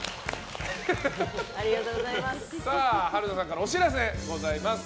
春菜さんからお知らせございます。